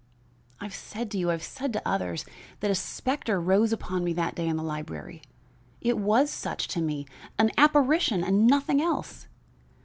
"I have said to you, I have said to others, that a specter rose upon me that day in the library. It was such to me, an apparition and nothing else.